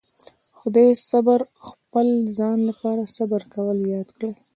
خدای صبر خپل ځان لپاره صبر کول ياد کړي.